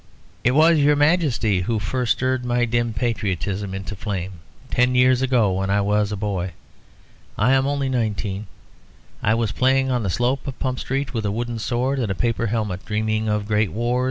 "It was your Majesty who first stirred my dim patriotism into flame. Ten years ago, when I was a boy (I am only nineteen), I was playing on the slope of Pump Street, with a wooden sword and a paper helmet, dreaming of great wars.